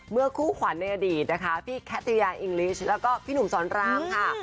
คู่ขวัญในอดีตนะคะพี่แคทยาอิงลิชแล้วก็พี่หนุ่มสอนรามค่ะ